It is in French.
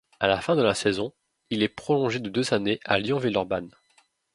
À la fin de la saison, il est prolongé de deux années à Lyon-Villeurbanne.